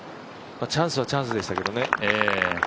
チャンスはチャンスでしたけどね。